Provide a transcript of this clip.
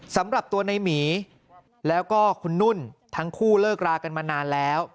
สำหรับตัวในหมีแล้วก็คุณนุ่นทั้งคู่เลิกรากันมานานแล้ว